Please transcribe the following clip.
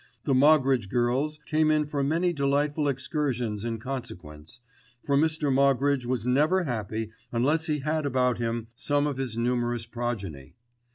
The Moggridge girls came in for many delightful excursions in consequence, for Mr. Moggridge was never happy unless he had about him some of his numerous progeny.